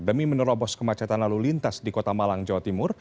demi menerobos kemacetan lalu lintas di kota malang jawa timur